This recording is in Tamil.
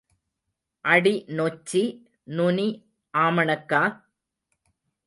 அடி நொச்சி நுனி ஆமணக்கா?